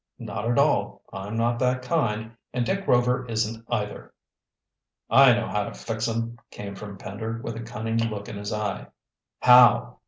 "Not at all. I'm not that kind. And Dick Rover isn't either." "I know how to fix 'em," came from Pender, with a cunning look in his eye. "How?"